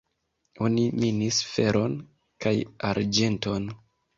Oni minis feron kaj arĝenton.